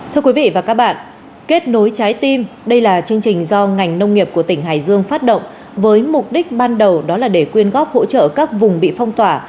thưa quý vị và các bạn kết nối trái tim đây là chương trình do ngành nông nghiệp của tỉnh hải dương phát động với mục đích ban đầu đó là để quyên góp hỗ trợ các vùng bị phong tỏa